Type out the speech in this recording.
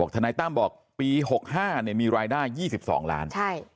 ทนายตั้มบอกปี๖๕มีรายได้๒๒ล้าน